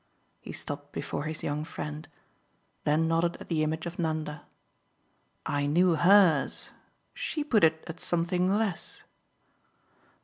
He stopped before his young friend, then nodded at the image of Nanda. "I knew HERS. She put it at something less."